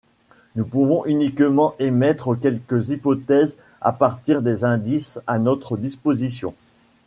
Nous pouvons uniquement émettre quelques hypothèses à partir des indices à notre disposition.